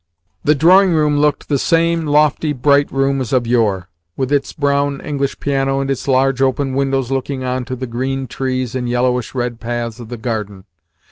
The drawing room looked the same lofty, bright room as of Yore, with its brown English piano, and its large open windows looking on to the green trees and yellowish red paths of the garden.